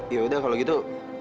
yaudah kalau gitu